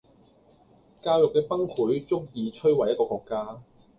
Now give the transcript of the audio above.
教育既崩潰足以摧毀一個國家